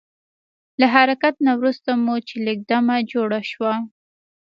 له حرکت نه وروسته مو چې لږ دمه جوړه شوه.